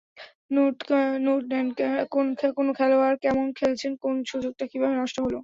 Note নেন কোন খেলোয়াড় কেমন খেলছেন, কোন সুযোগটা কীভাবে নষ্ট হলো।